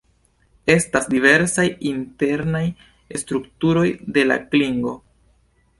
Estas diversaj internaj strukturoj de la klingo.